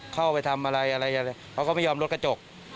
เข้าไปทำอะไรอะไรเขาก็ไม่ยอมรถกระจก